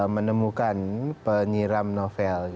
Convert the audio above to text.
menemukan penyiram novel